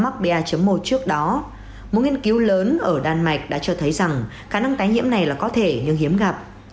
mắc một trước đó một nghiên cứu lớn ở đan mạch đã cho thấy rằng khả năng tái nhiễm này là có thể nhưng hiếm gặp